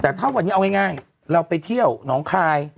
แต่ถ้าวันนี้เอาง่ายเราไปเที่ยวหนองคาย